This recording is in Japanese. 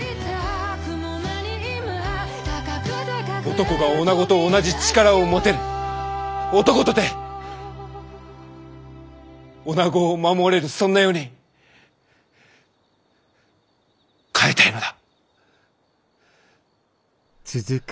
男が女と同じ力を持てる男とて女を守れるそんな世に変えたいのだ！